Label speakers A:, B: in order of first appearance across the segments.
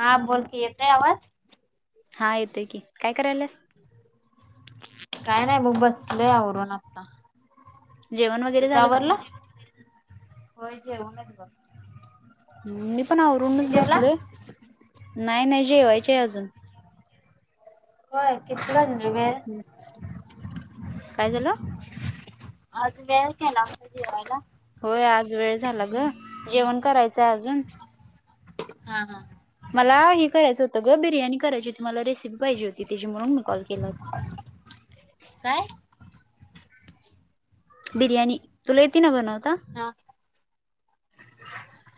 A: हा, बोल की येतोय आवाज.
B: हा येतोय, की काय करायल्यास?
A: काय नाही, बघ बसलोय आवरून आता.
B: जेवण वगैरे
A: तुज
B: झालं का
A: आवरलं होय जेवूनच बघ.
B: मी पण
A: तुम्ही
B: आवरूनच
A: जेवला?
B: बसलोय, नाही नाही जेवायची अजून.
A: होय, किती वाजले वेळ
B: काय झालं
A: आज वेळ केला जेवायला?
B: होय, आज वेळ झाला गं जेवण करायचंय अजून.
A: हा हा.
B: मला हे करायचं होतं ग बिर्याणी करायची होती मला रेसिपी पाहिजे होती त्याची म्हणून मी कॉल केला होता.
A: काय?
B: बिर्यानी तुला यती ना बनवता.
A: हा.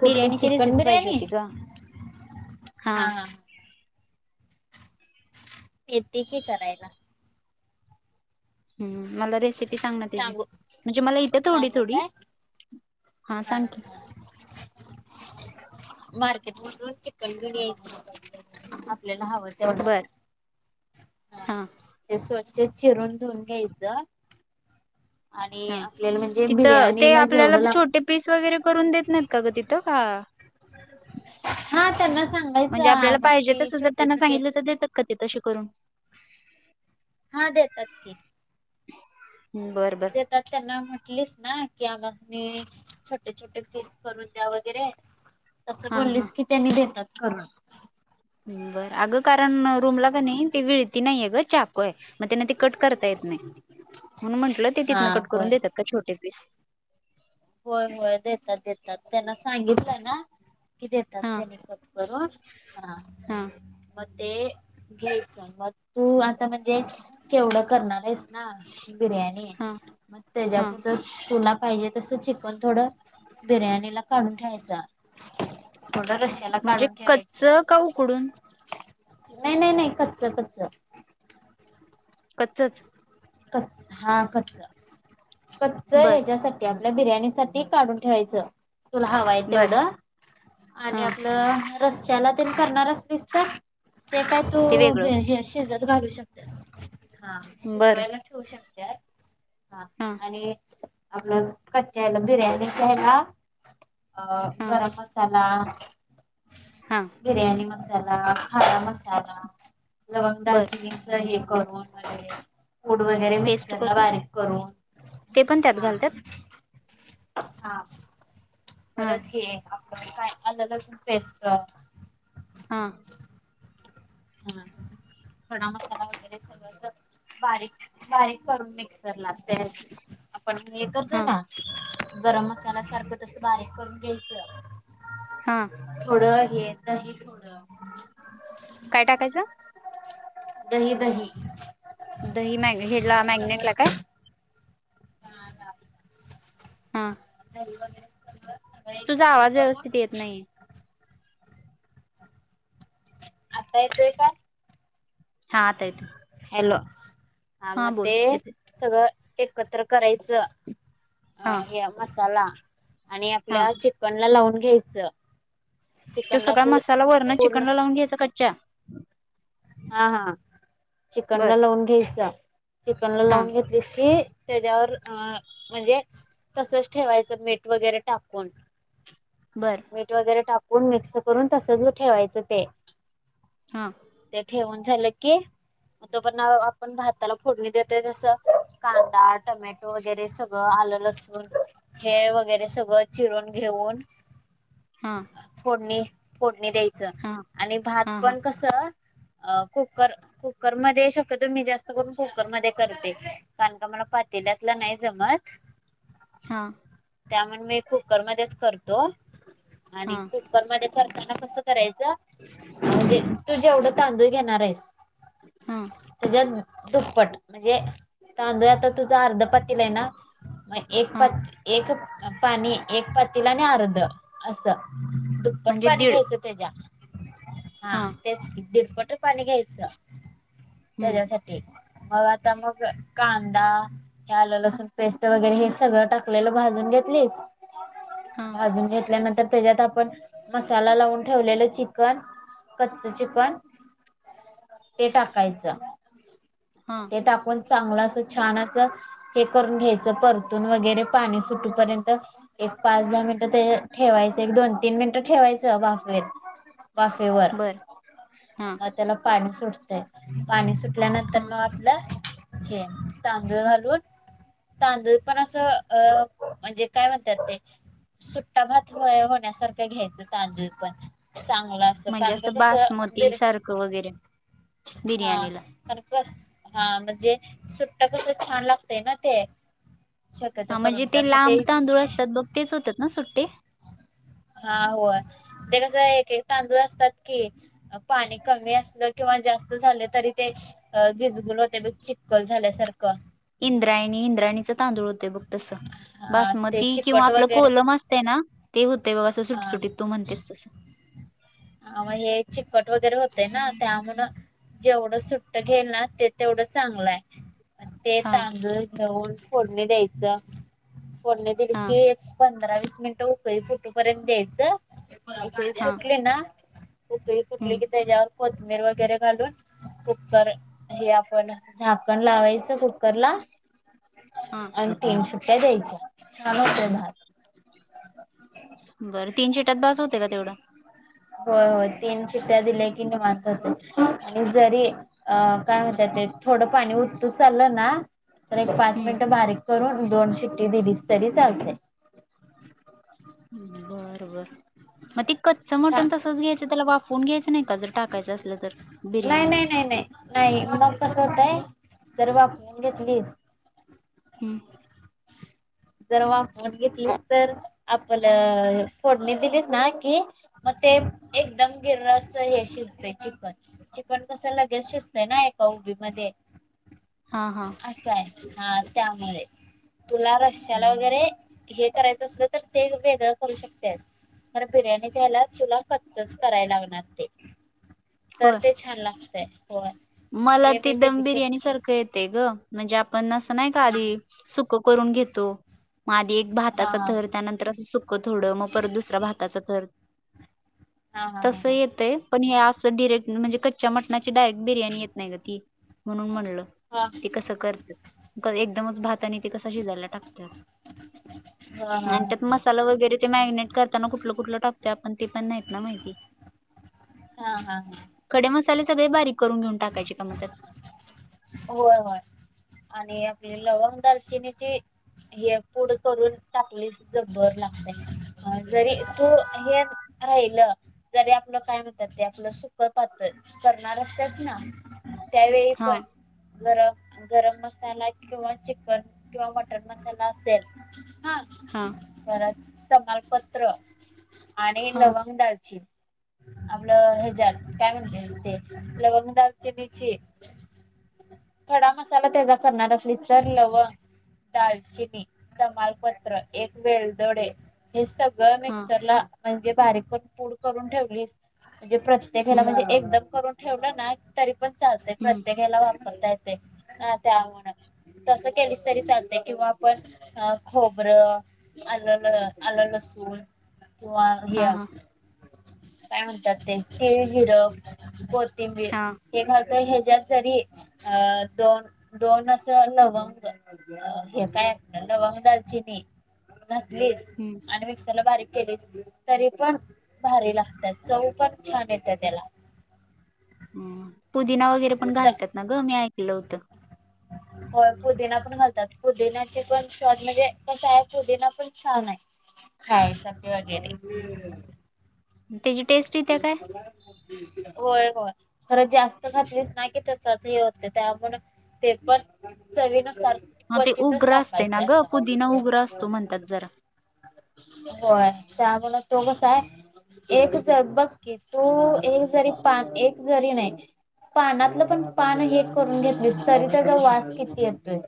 A: कुठली
B: बिर्याणीची
A: चिकन
B: रेसिपी पाहिजे
A: बिर्याणी
B: होती ग
A: हा हा. येते की करायला.
B: हम् मला रेसिपी सांग ना त्याची
A: सांगू
B: म्हणजे मला येत्या थोडी
A: सांगू
B: थोडी.
A: काय? हा
B: सांग की
A: हा. मार्केट मधून चिकन घेऊन यायच आपल्याला हवं
B: बरं
A: तेवढं.
B: हा.
A: ते स्वच्छ चिरून धुऊन घ्यायचं. आणि
B: हा
A: आपल्याला म्हणजे
B: तिथं ते
A: बिर्याणीला
B: आपल्याला
A: जेवढं लाग
B: छोटे पीस वगैरे करून देत नाहीत का ग तिथं का.
A: हा त्यांना सांगा.
B: म्हणजे आपल्याला पाहिजे तसं जर त्यांना सांगितलं तर देतात का ते तशे करून.
A: हा देेतात की.
B: बर बर.
A: देतात त्यांना म्हटलीस ना की आम्हासनी छोटे छोटे पीस करून द्या वगैरे.
B: [inaudible]
A: तसं
B: हा
A: बोललीस की त्यांनी देतात करून.
B: बरं अगं कारण रूमला का नाही ते विळती नाहीय ग चाकू य मग त्यांना ते कट करता येत नाही म्हणून म्हटलं ते
A: हा
B: तिथनं कट करून
A: होय
B: देतात का छोटे पीस.
A: होय होय देतात देतात त्यांना सांगितलं ना. की देतात
B: हा
A: तेनी कट करून हा म ते घ्यायचं मग तू आता म्हणजे केवढं करणार आहेस ना. बिर्याणी
B: हा
A: मग
B: हा
A: त्याच्यात जर तुला पाहिजे तस चिकन थोडं बिर्याणी ला काढून ठेवायचं. थोड रशयाला
B: म्हणजे
A: काढून ठेवायच.
B: कच्च का उकडून
A: नाही नाही नाही कच्च कच्च.
B: कच्चच.
A: क हा कच्च कच्च
B: बर
A: ह्याच्यासाठी. ते आपल्या बिर्याणी साठी काढून ठेवायचं तुला हवय आहे
B: बर
A: तेवढं
B: हा
A: आणि आपल्या त रश्याला तेन करणार असलीस तर ते काय
B: ते
A: तू
B: वेगळं
A: बे हे शिजत घालू शकत्यास हा
B: बर
A: शिजवायला ठेवू शकत्यास हा.
B: हा.
A: हे आपलं कच्च्या ह्याला बिर्याणी च्या ह्याला अ
B: हा
A: गरम मसाला.
B: हा.
A: बिर्याणी मसाला खारा मसाला लवंग
B: बर
A: दालचिनी दही करून म्हणजे पुड वगैरे
B: पेस्ट
A: मिक्सर ला
B: करून
A: बारीक
B: ते पण
A: करून
B: त्यात
A: हा.
B: घालतात
A: हा
B: हा
A: परत हे आपलं काय अललसूण पेस्ट
B: हा.
A: हा खडा मसाला वगैरे सगळं स बारीक बारीक करून मिक्स - रला पेस्ट आपण हे करतोय
B: हा
A: ना गरम मसाल्यासारखं तस बारीक करून घ्यायच.
B: हा.
A: थोडं हे दही थोडं.
B: काय टाकायचं?
A: दही दही.
B: दही मॅग, हेला मॅग्नेटला काय?
A: ताजा.
B: ह.
A: [unintelligible]
B: तुझा
A: एकत्र
B: आवाज
A: करून
B: व्यवस्थित येत नाही.
A: आता येतोय का?
B: हा, आता येतय.
A: हलो, ह म ते
B: येते
A: सगळं एकत्र करायचं.
B: हा
A: अ हे मसाला आणि
B: हा
A: आपल्या चिकनला लावून घ्यायचं.
B: तो
A: चिकनला
B: सगळा
A: असं
B: मसाला वरण
A: पूर्ण
B: चिकनला लावून घ्यायचा कच्या.
A: हा, हा. चिकनला
B: बर
A: लावून घ्यायचं. चिकनला
B: हा
A: लावून घेतलीस की त्याज्यावर अ म्हणजे तसच ठेवायचं, मीठ वगैरे टाकून.
B: बरं.
A: मीठ वगैरे टाकून, मिक्स करून, तसच ठेवायचं ते.
B: हा.
A: त्या ठेवून झालं की, तो पर्यंत, आपण भाताला फोडणी देतोय तसं, कांदा, टमॅट वगैरे सगळं आलं -लसून, [unintelligible] वगैरे सगळं चिरून घेऊन
B: हा.
A: फोडणी, फोडणी द्यायचं.
B: हा
A: आणि भात
B: हा हा
A: पण कसं अ कुकर, कुकरमध्ये. शक्यतो मी जास्त करून, कुकर मध्ये करते. कारण का, मला पातेल्यातला नाही जमत.
B: हा.
A: त्यामन मी कुकरमध्येच करतो.
B: हा
A: आणि कु कर मधे करताना कस करायच. म्हणजे तु जेवढं तांदूळ घेणार आहेस.
B: ह.
A: त्याच्या दुप्पट. म्हणजे, तांदूळ आता तुझं अर्ध पातीलाय ना एक पात,
B: हा
A: एक पाणी, एक पातीला आणि अर्ध असं. दुप्पट
B: म्हणजे
A: पाणी
B: दीड
A: घ्यायचं त्याज्या. हा त्याच की. दीडपट पाणी घ्याय च.
B: हम्म
A: त्याज्यासाठी. मग आता मग, कांदा आलं- लसण पेस्ट वगैरे हे सगळं टाकलेलं भाजून घेतलीस.
B: हा
A: बाजून घेतल्यानंतर, त्याज्यात आ आपण, मसाला लावून ठेवलेलं चिकन. कच्च चिकन ते टाकायचं.
B: हा
A: ते टाकून चांगलं असं, छान असं, हे करून घ्यायचं. परतून वगैरे पाणी सुटूपर्यंत. एक पाच -दहा मिनिटं ते ठेवायचं. एक दोन- तीन मिनिटं ठेवायचं बाफेत, वाफेवर.
B: हं.
A: मग त्याला पाणी सुटतय. पाणी सुटल्यानंतर
B: हा
A: मग आपलं हे, तांदूळ घालून तांदूळ पण असं, अ म्हणजे, काय म्हणतात ते. सुट्टा भात होय होण्यासारखं घ्यायचं. तांदूळ पण चांगला
B: म्हणजे असं, बासमती सारखं वगैरे.
A: हा.
B: बिर्याणीला
A: कार कस, हा म्हणजे सुट्ट कस, छान लागतय ना ते. शक्यतो
B: हा म्हणजे,
A: करून
B: ते
A: कारण का
B: लांब तांदूळ असतात बघ. तेच होतात ना सुट्टे.
A: हा, हो. ते कसं एक -एक तांदूळ असतात की पाणी कमी असलं, किंवा जास्त झालं तरी ते अ घिजगुल होते, ब चिक्कल झाल्यासारखं.
B: इंद्राणी इंद्राणीचे तांदूळ होते बघ तस
A: हा ते
B: बासमती किंवा
A: चिकट
B: आपलं
A: वगैरे
B: कोलम असत ना ते होतेय बघ असं सुट
A: हा
B: सुुटीत तू म्हणतेस तसं
A: ह हे चिकट वगैरे होते ना त्यामु जेवढं सुट्ट घेईल ना ते तेवढं चांगलं आहे ते
B: हा
A: चांग न फोडने द्यायचं फोडने दिलीस
B: हा
A: की पंधरा वीस मिनिटं उकळी फुटूपर्यंत द्यायचं उकळी
B: हा
A: फुटली ना कुठ फुटली
B: हम्म
A: की त्याच्यावर कोथबीर वगैरे घालून कुकर हे आपण झाकण लावायचं कुकर ला
B: हा
A: आणि तीन शीट्ट्या द्यायची छान होते म्हात
B: बरं तीन शिटात बास होते का तेवढं
A: हो हो तीन की त्या दिल्या की निवांत होतेय आणि जरी अ काय म्हणत ते थोडं पाणी उतू चाललं ना तर एक पाच मिनिटं बारीक करून दोन शिट्टी दिलीस तरी चालते
B: बर बर मग त कच्च
A: छान
B: मटण तस घ्यायचं त्याला वाफवून घ्यायं नाही का जर टाकायचं असलं तर
A: नाही
B: बिर्याणीत
A: नाही नाही नाही नाही मला कसं होतय जर वापरून घेतलीस
B: हम्म
A: जर वा फोन घेतली तर आपलं फोडणी दिलीस ना की मग ते एकदम गिरस हे शिजते चिकन चिकन कस लगेच शिजतेना एका उभी मध्ये
B: हा हा
A: असं आहे हा त्यामुळे तुला रशल
B: हम्म.
A: वगैरे हे करायचं असलं तर ते वेगळं करू शकते कारण बिर्याणी जा्यायला तुला कच्चच करायला लागणार ते तर
B: होय
A: ते छान लागतय हो
B: मला त दम बिर्याणी सारखं येते ग म्हणजे आपण नस नाही का
A: हा
B: आधी सुक करून घेतो आधी एक भाताच
A: हा
B: थर त्यानंतर असं थोडं मग परत दुसरा भाताचं थर
A: हा हा
B: तस
A: हा
B: येतय पण हे अस डिरेक् म्हणजे कच्च्या मटणा डयरेट बिर्याणी येत नाही ग ती म्हणून म्हणलं
A: हा
B: ते कसं करते एकदमच भाताने ते कसा शिजायला टाकतात
A: हा हा
B: आणि त्यात
A: हा
B: मसाला वगैरे ते मॅगिनेट करताना कुठलं कुठलं टाकतो आपण ते पण नाहीत ना माहिती [unintelligible]
A: हा हा हा
B: खडे मसाले सगळे बारीक करून घेऊन टाकायचे का मदत
A: होय होय आणि आपली लवंग दालचिनीची हे पुढं करून टाकलीस ज भर लागत अ जरी तू हे राहिल जरी आपलं काय म्हणतात ते आपलं सुख पातळ करणार असतच ना त्यावेळी
B: हा
A: पण घर गरम मसाला किंवा चिकन किंवा मटन मसाला असेल हा ब समालपत्र आणि
B: हा
A: लवंगडालची आपलं हज काय म्हणते ते लवंग दाचिन्ची थडा मसाला त्याचा करणार असली तर लवग दालचिनी तमालपत्र एक वेलदोडे हे सगळं
B: हा
A: मिक्सरला म्हणजे बारीक करून पूड करून ठेवली म्हणजे प्रत्य प्रत्येकाला
B: हम्म
A: म्हणजे एकदम करून ठेवलं ना तरी पण चालतंय
B: हम्म
A: प्रत्येकाला वापरता येत [unintelligible] तसं केलीस तरी चालते किंवा आपण खोबरं. आलं आलंल स किंवा घ
B: हा हा
A: काय म्हणतात ते तेळ जिरं कोथिंबीर
B: हा
A: हे करत ह्याच्यात तरी अ दोन दोन अस लवंग. हे कायऐक लवंग दालची नाही घातलीच
B: हम्म
A: आणि मिक्सरला बारीक केली तरी पण भारी लागतात चव पण छान येते त्याला
B: ह पुदिना वगैरे पण
A: त्याला
B: घालतात ना ग मी ऐकलं होतं.
A: हो पुदिना पण घालतात पुदिनाचे पण स्वाद म्हणजे कस आहे पुदिना पण छान आहे. खायस वगैरे
B: त्याची टेस्ट येत्या काय
A: होय होय खरं जास्त घातलीस नाही कि तसच हे. त्यामु ते पण चवीन सार
B: हा ते
A: क्वचितच
B: उग्र असते ना
A: टाकायचं
B: ग पुदिना उग्र असतो
A: असं.
B: म्हणतात जरा
A: होय त्यामुळेला तो कसा आहे. एक जर बघकीि तू एक जरी पा एक जरी नाही. पानातलं पण पान हे करून घेतलीस तरी त्याचा वास किती येतोय.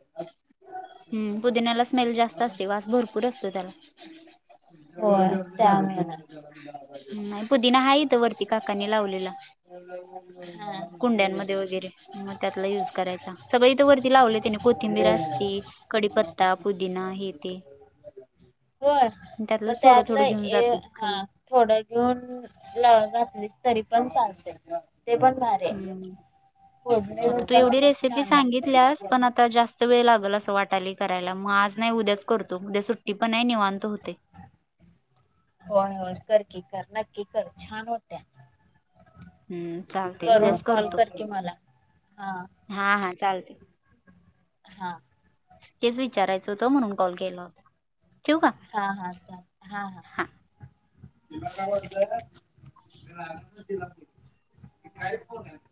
B: हम् पुदिनला स्मेल जास्त असते वास भरपूर असतो त्याला
A: हो त्याना
B: नाही पुदिना हा येतं वरती काकाने लावलेला.
A: ह ह हा ह
B: कुंड्यांमध्ये
A: ब
B: वगैरे मग त्यातला युज करायचा. सगळे इथं वरती लावले त्याने कोथिंबीर असते कडीपत्ता पुदिना हे ते
A: होय मग
B: त्यातलंच थोडं थोडं घेऊन
A: त्यातलं
B: जातो खाली
A: हा थोड घेऊन घातलीस तरी पण चालते ते पण बाहेर
B: हम्म आता तू एवढी
A: पण
B: रेसिपी
A: छान लागत
B: सांगे. पण आता जास्त वेळ लागल अस वाटाली करायला मग आज नाही उद्याच करतो उद्या सु ी पण नाही निवांतो होते.
A: होय होय करकी कर नक्की कर छान होत्या.
B: हम्म चालते
A: करून
B: उद्याच
A: कॉल
B: करतो
A: कर क मला हा
B: हा हा चालते.
A: हा
B: तेच विचारायचं होतं म्हणून कॉल केला होता ठेव का
A: हा हा हा हा तिला का म्हटत तला तिला काय फन आहे.